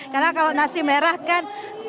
karena kalau nasi merah kan